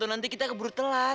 nanti kita keburu telat